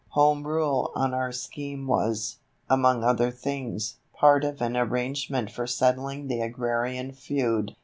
Home Rule on our scheme was, among other things, part of an arrangement for "settling the agrarian feud."